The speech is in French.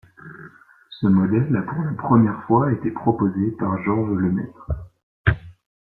Ce modèle a pour la première fois été proposé par Georges Lemaître.